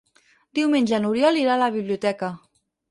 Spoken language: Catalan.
Diumenge n'Oriol irà a la biblioteca.